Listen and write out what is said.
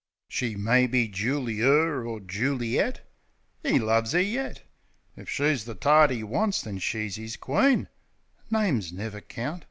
She may be Juli er or Juli et — 'E loves 'er yet. If she's the tart 'e wants, then she's 'is queen, Names never count